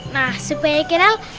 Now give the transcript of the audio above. nah supaya kenal